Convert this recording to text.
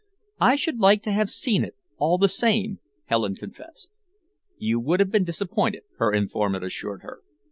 "I should like to have seen it, all the same," Helen confessed. "You would have been disappointed," her informant assured her.